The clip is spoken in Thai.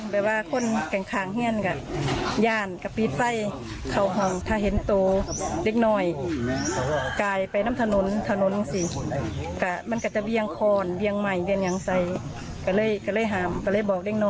บอกเล่นน้อยบอกพูดไงบ้าง